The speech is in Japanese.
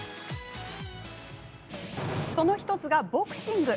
その１つが、ボクシング。